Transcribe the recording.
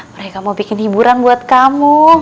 mereka mau bikin hiburan buat kamu